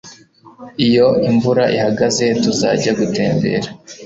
Iyo imvura ihagaze tuzajya gutembera